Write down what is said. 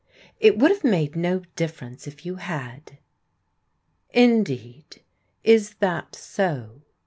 " It would have made no difference if you had.'* "Indeed, is that so?'